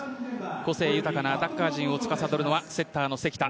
個性豊かなアタッカー陣をつかさどるのはセッターの関田。